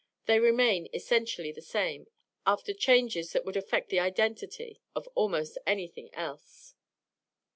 They remain essentially the same, after changes that would affect the identity of almost anything else."